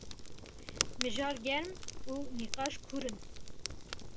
Mijar germ û nîqaş kûr in.